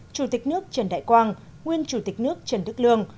chủ tịch nước trần đại quang nguyên chủ tịch nước trần đức lương